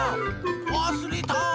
わすれた！